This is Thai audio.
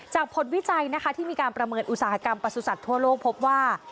ผลวิจัยนะคะที่มีการประเมินอุตสาหกรรมประสุทธิ์ทั่วโลกพบว่า